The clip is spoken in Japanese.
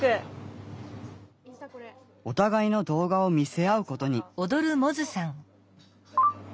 お互いの動画を見せ合うことに。